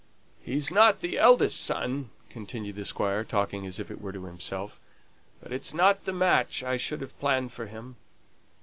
"He's not the eldest son," continued the Squire, talking as it were to himself. "But it's not the match I should have planned for him.